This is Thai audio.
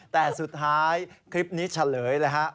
แต่สุดท้ายคลิปนี้เฉลยเลยฮะ